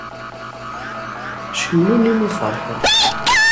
Cennun imi ferḥen.